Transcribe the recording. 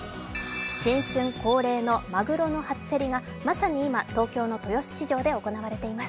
新春恒例のマグロの初競りがまさに今、東京の豊洲市場で行われています。